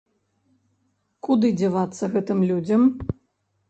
Куды дзявацца гэтым людзям?